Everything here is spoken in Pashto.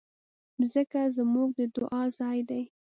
مځکه زموږ د دعا ځای ده.